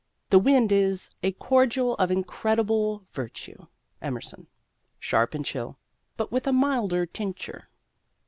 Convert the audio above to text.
The wind is "a cordial of incredible virtue" (Emerson) sharp and chill, but with a milder tincture.